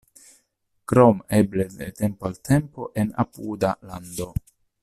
Krom eble de tempo al tempo en apuda lando.